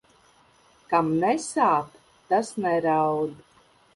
Kam nesāp, tas neraud.